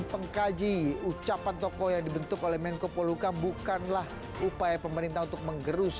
pengkaji ucapan tokoh yang dibentuk oleh menko poluka bukanlah upaya pemerintah untuk menggerus